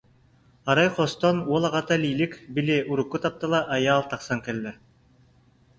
Арай хостон уол аҕата, Лилик били урукку таптала Айаал тахсан кэллэ.